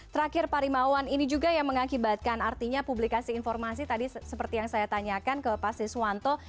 terakhir pak rimawan ini juga yang mengakibatkan artinya publikasi informasi tadi seperti yang saya tanyakan ke pak siswanto